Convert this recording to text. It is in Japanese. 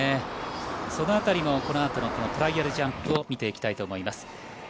そのあたりもこの後のトライアルジャンプを見ていきたいと思います。